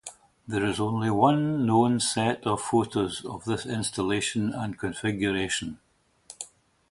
There is only one known set of photos of this installation and configuration.